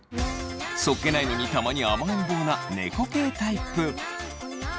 そっけないのにたまに甘えん坊な猫系タイプ。